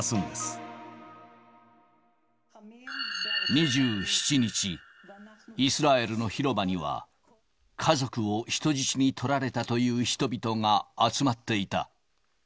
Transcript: ２７日、イスラエルの広場には、家族を人質に取られたという人々が集まっていた。